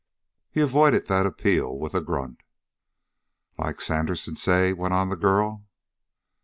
He avoided that appeal with a grunt. "Like Sandersen, say," went on the girl.